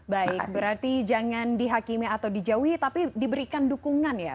baik berarti jangan dihakimi atau dijauhi tapi diberikan dukungan ya